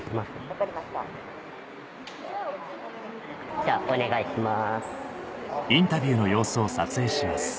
じゃあお願いします。